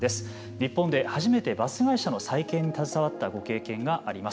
日本で初めてバス会社の再建に携わったご経験があります。